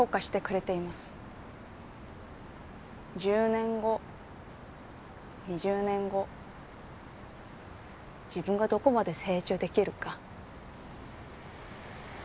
１０年後２０年後自分がどこまで成長できるか。